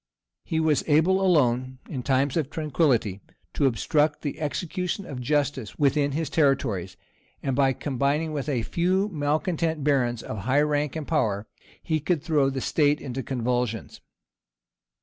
He was able alone, in times of tranquillity, to obstruct the execution of justice within his territories; and by combining with a few malecontent barons of high rank and power, he could throw the state into convulsions.